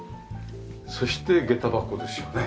そしてげた箱ですよね。